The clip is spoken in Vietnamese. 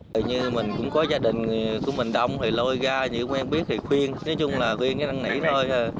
tại như mình cũng có gia đình của mình đông thì lôi ra như quen biết thì khuyên nếu chung là khuyên cái đăng nỉ thôi